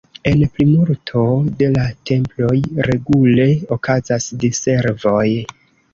En plimulto de la temploj regule okazas diservoj.